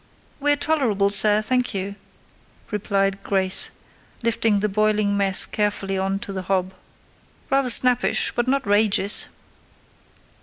"We're tolerable, sir, I thank you," replied Grace, lifting the boiling mess carefully on to the hob: "rather snappish, but not 'rageous."